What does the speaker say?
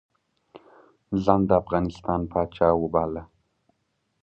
ځان د افغانستان پاچا وباله.